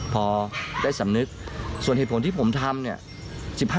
พอได้สำนึกส่วนเหตุผลที่ผมทำเนี่ย